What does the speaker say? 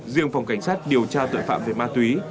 riêng phòng cảnh sát điều tra tội phạm về ma túy